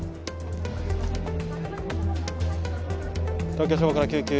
東京消防から救急。